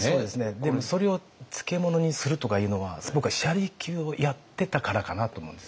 でもそれを漬物にするとかいうのは僕は車力をやってたからかなと思うんです。